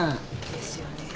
ですよね。